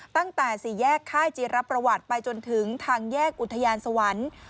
ตั้งแต่สี่แยกค่ายจีรประวัติไปจนถึงทางแยกอุทยานสวรรค์